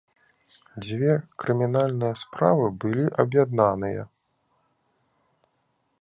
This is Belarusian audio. Дзве крымінальныя справы былі аб'яднаныя.